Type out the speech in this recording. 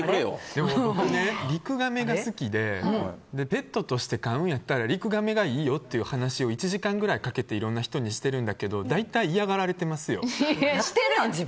僕リクガメが好きでペットとして飼うんやったらリクガメがいいよって話をいろんな人にしてるんだけど大体嫌がられてますよ。